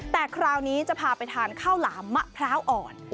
แต่คราวนี้จะพาไปทานข้าวหลามมะพร้าวอ่อน